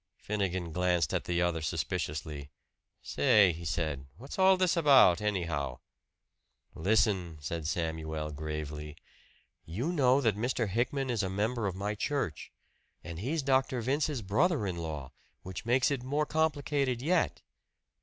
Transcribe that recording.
Finnegan glanced at the other suspiciously. "Say," he said, "what's all this about, anyhow?" "Listen," said Samuel gravely. "You know that Mr. Hickman is a member of my church. And he's Dr. Vince's brother in law, which makes it more complicated yet.